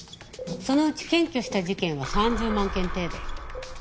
そのうち検挙した事件は３０万件程度。